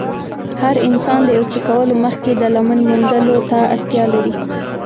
هر انسان د يو څه کولو مخکې د لامل موندلو ته اړتیا لري.